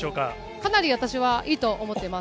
かなり私はいいと思ってます。